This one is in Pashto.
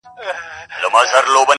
اميد کمزوری پاتې کيږي دلته تل,